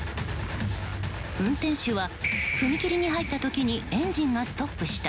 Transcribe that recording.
運転手は踏切に入った時にエンジンがストップした。